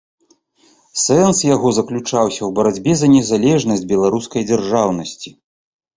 Сэнс яго заключаўся ў барацьбе за незалежнасць беларускай дзяржаўнасці.